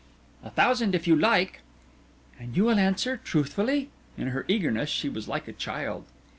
"A thousand if you like." "And you will answer truthfully?" In her eagerness she was like a child.